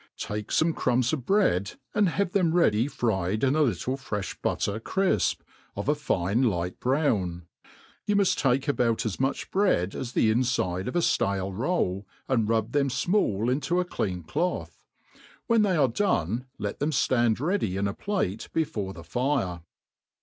Take fome Crumbs of bread, and have them ready fried in a little frelh butter crifp, of a fine light brown. You muft take about as much bread as the infide of a ftale roll, and rub them fmall tnto a olefin clofth ; when they are done, let them ftand ready in a plate before the fire.